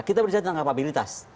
kita berbicara tentang kapabilitas